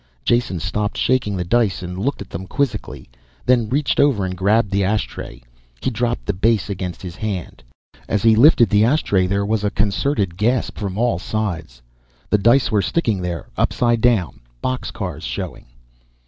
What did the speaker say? Jason stopped shaking the dice and looked at them quizzically, then reached over and grabbed the ashtray. He dropped the base against his hand. As he lifted the ashtray there was a concerted gasp from all sides. The dice were sticking there, upside down, box cars showing.